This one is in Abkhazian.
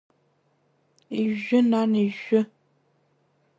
Ижәжәы, нан, ижәжәы!